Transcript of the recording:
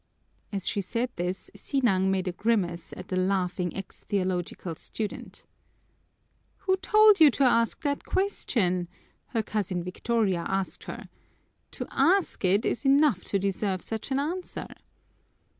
As she said this, Sinang made a grimace at the laughing ex theological student. "Who told you to ask that question?" her cousin Victoria asked her. "To ask it is enough to deserve such an answer."